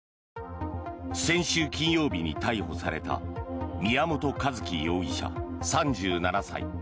先週金曜日に逮捕された宮本一希容疑者、３７歳。